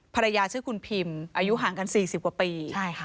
ภรรยาชื่อคุณพิมอายุห่างกัน๔๐กว่าปี